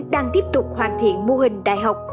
đang tiếp tục hoàn thiện mô hình đại học